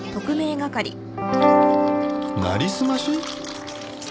成りすまし？